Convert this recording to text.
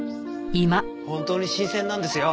本当に新鮮なんですよ。